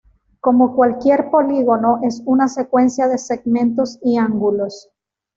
Como cualquier polígono, es una secuencia de segmentos y ángulos.